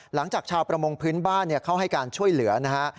หลังจากชาวประมงพื้นบ้านเข้าให้การช่วยเหลือนะฮะ